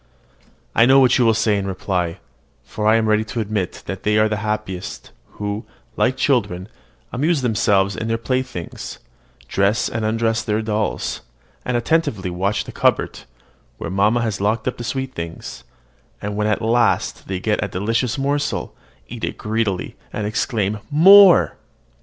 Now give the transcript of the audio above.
I know what you will say in reply; for I am ready to admit that they are happiest, who, like children, amuse themselves with their playthings, dress and undress their dolls, and attentively watch the cupboard, where mamma has locked up her sweet things, and, when at last they get a delicious morsel, eat it greedily, and exclaim, "More!"